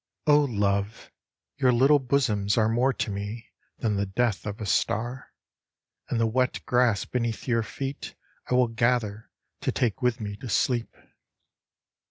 Love, your little bosoms are More to me than the death of a star ; And the wet grass beneath your feet 1 will gather to take with me to sleep.